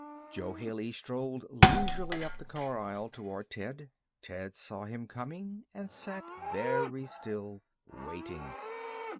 Jo Haley strolled leisurely up the car aisle toward Ted. Ted saw him coming and sat very still, waiting.